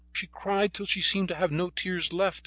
She cried till she seemed to have no tears left.